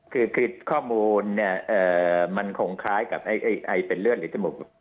คือข้อมูลเนี่ยมันคงคล้ายกับเป็นเลือดหรือจมูก